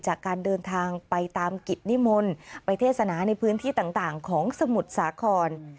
จากการเดินทางไปตามกิจนิมนต์ไปเทศนาในพื้นที่ต่างของสมุทรสาคร